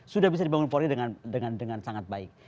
sudah bisa dibangun polri dengan sangat baik